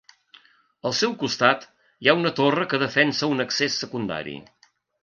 Al seu costat hi ha una torre que defensa un accés secundari.